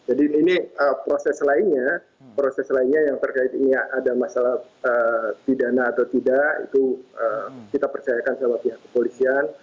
jadi ini proses lainnya proses lainnya yang terkait ini ada masalah pidana atau tidak itu kita percayakan oleh pihak kepolisian